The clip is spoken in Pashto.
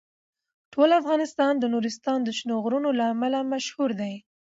ټول افغانستان د نورستان د شنو غرونو له امله مشهور دی.